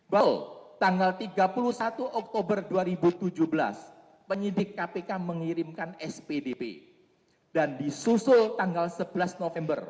bahwa tanggal tiga puluh satu oktober dua ribu tujuh belas penyidik kpk mengirimkan spdp dan disusul tanggal sebelas november